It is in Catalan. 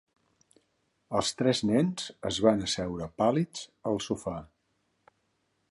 Els tres nens es van asseure pàl·lids al sofà.